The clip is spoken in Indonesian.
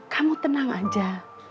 kamu tenang saja